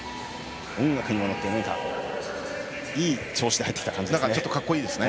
音楽を聴いて、いい調子で入ってきた感じですね。